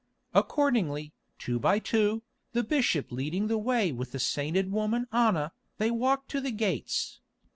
Accordingly, two by two, the bishop leading the way with the sainted woman Anna, they walked to the gates.